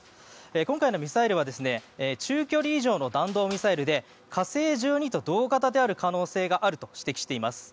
今回のミサイルは中距離以上の弾道ミサイルで火星１２と同型である可能性があると指摘しています。